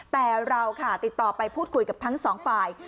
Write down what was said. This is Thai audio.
แต่เราค่ะติดต่อไปพูดคุยกับทั้งสองฝ่าย